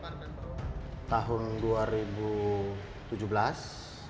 namun kemudian dibuka lagi